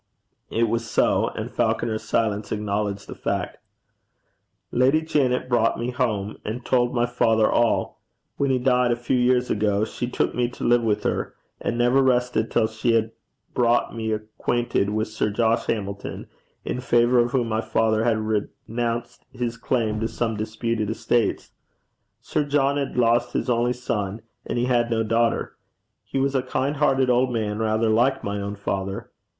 It was so, and Falconer's silence acknowledged the fact. 'Lady Janet brought me home, and told my father all. When he died a few years after, she took me to live with her, and never rested till she had brought me acquainted with Sir John Hamilton, in favour of whom my father had renounced his claim to some disputed estates. Sir John had lost his only son, and he had no daughter. He was a kind hearted old man, rather like my own father.